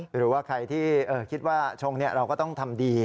หรือว่าใครที่คิดว่าชงเราก็ต้องทำดี